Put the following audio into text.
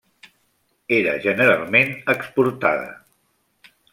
Era generalment exportada.